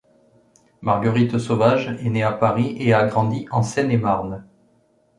Marguerite Sauvage est née à Paris et a grandi en Seine-et-Marne.